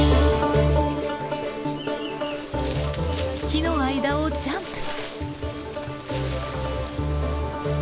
木の間をジャンプ。